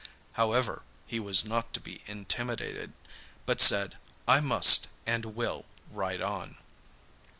However, he was not to be intimidated, but said, 'I must and will ride on.